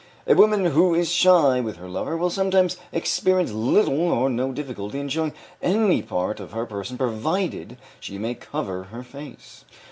A woman who is shy with her lover will sometimes experience little or no difficulty in showing any part of her person provided she may cover her face.